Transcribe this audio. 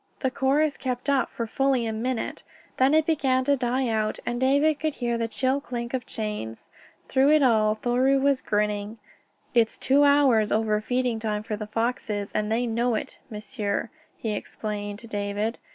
The chorus kept up for fully a minute. Then it began to die out, and David could hear the chill clink of chains. Through it all Thoreau was grinning. "It's two hours over feeding time for the foxes, and they know it, m'sieur," he explained to David.